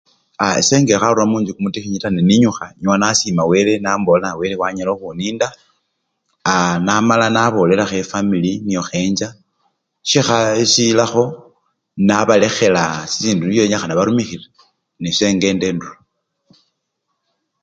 Aaa ese ngekharura munjju kumutikhinyi taa, neninyukha inyowa nasima wele na wele wanyala okhuninda aa! namala nabolelakho efamili niokhenjja syokha! silakho nabalekhela sisindu nisyo benyikhana barumikhile nesengenda endura.